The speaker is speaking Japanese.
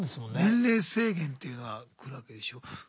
年齢制限っていうのは来るわけでしょ。